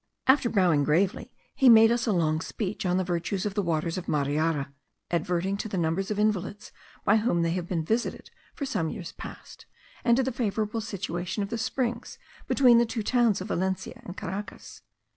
After bowing gravely, he made us a long speech on the virtues of the waters of Mariara, adverting to the numbers of invalids by whom they have been visited for some years past, and to the favourable situation of the springs, between the two towns Valencia and Caracas.